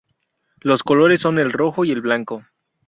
Los colores son el rojo y el blanco.